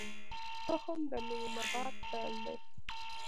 تخم د نوي نبات پیل دی